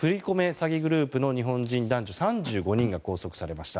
詐欺グループの日本人男女３５人が拘束されました。